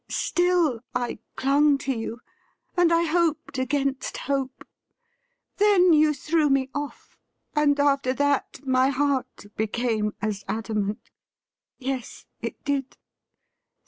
Still, I clung to you, and I hoped against hope. Then you threw me off, and after that my heart became as adamant. Yes, it did!'